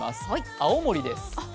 青森です。